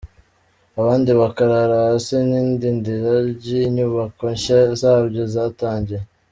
abandi bakarara hasi n’idindira ry’inyubako nshya zabyo zatangiye